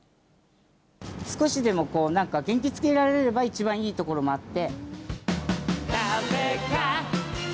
少しでもこうなんか、元気づけられれば一番いいところもあって。